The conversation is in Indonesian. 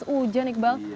karena hujan iqbal